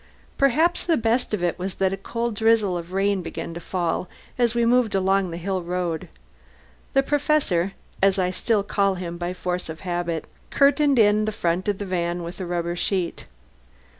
Perhaps the best of it was that a cold drizzle of rain began to fall as we moved along the hill road. The Professor as I still call him, by force of habit curtained in the front of the van with a rubber sheet.